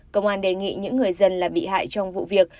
công an đề nghị những người dân là bị hại trong vụ việc